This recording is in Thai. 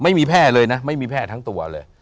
ไม่มีแพร่เลยนะไม่มีแพร่ทั้งตัวเลย